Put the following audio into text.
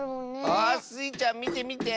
あスイちゃんみてみて。